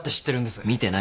見てないよ。